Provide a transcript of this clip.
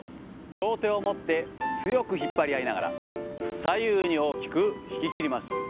両手を持って、強く引っ張り合いながら、左右に大きく引ききります。